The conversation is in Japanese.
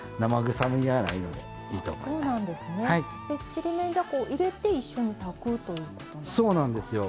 ちりめんじゃこを入れて一緒に炊くということなんですか？